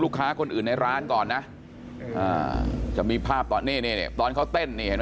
ค้าคนอื่นในร้านก่อนนะจะมีภาพตอนนี้ตอนเขาเต้นนี่เห็นไหม